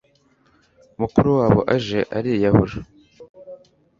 mukuru wabo aje ariyahura